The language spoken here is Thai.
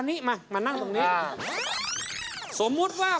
คุณฟังผมแป๊บนึงนะครับ